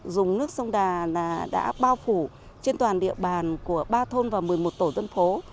dùng nước sông đà đã bao phủ trên toàn địa bàn của ba thôn và một mươi một tổ dân phố